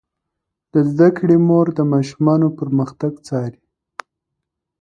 د زده کړې مور د ماشومانو پرمختګ څاري.